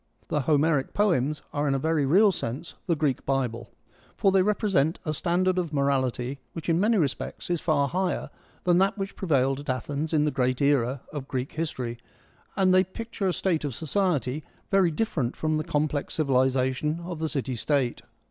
The Homeric poems are in a very real sense the Greek Bible, for they represent a standard of morality which in many respects is far higher than that which prevailed at Athens in the great era of Greek history, and they picture a state of society very different from the complex civilisation of the city state.